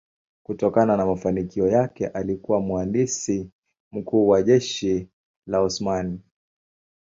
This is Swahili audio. Kutokana na mafanikio yake alikuwa mhandisi mkuu wa jeshi la Osmani.